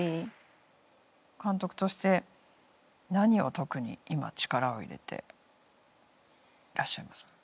監督として何を特に今力を入れていらっしゃいますか？